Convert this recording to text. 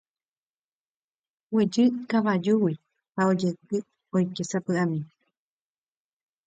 Oguejy ikavajúgui ha ojeity oke sapy'ami.